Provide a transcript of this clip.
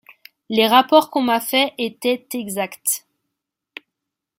Les rapports qu’on m’a faits étaient exacts.